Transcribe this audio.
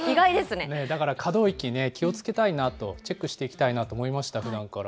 だから可動域、気をつけたいなと、チェックしていきたいなと思いました、ふだんから。